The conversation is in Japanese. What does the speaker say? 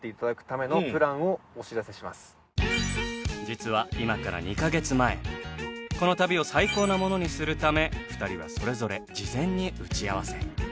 実は今から２カ月前この旅を最高なものにするため２人はそれぞれ事前に打ち合わせ。